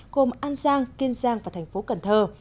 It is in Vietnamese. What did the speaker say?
gồm an giang kiên giang và thành phố cần thơ